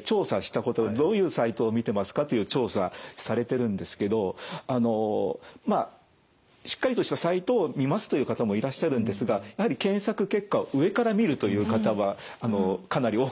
調査したことどういうサイトを見てますかという調査されてるんですけどあのまあしっかりとしたサイトを見ますという方もいらっしゃるんですがやはりという結果も出ております。